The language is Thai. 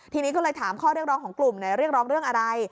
ทีนี้ก็เลยถามข้อเรียกร้องของกลุ่มเรียกร้องเรื่องอะไร